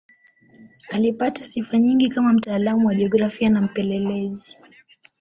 Alipata sifa nyingi kama mtaalamu wa jiografia na mpelelezi.